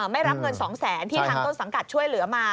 ไม่รับเงิน๒แสนที่ทางต้นสังกัดช่วยเหลือมา